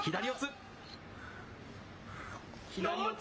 左四つ。